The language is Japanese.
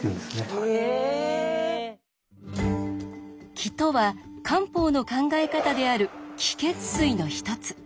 気とは漢方の考え方である気血水の一つ。